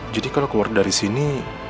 jadi kalau keluar dari sini